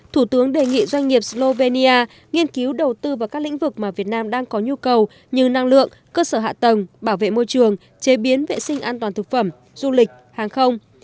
thủ tướng đề nghị doanh nghiệp slovenia nghiên cứu đầu tư vào các lĩnh vực mà việt nam đang có nhu cầu như năng lượng cơ sở hạ tầng bảo vệ môi trường chế biến vệ sinh an toàn thực phẩm du lịch hàng không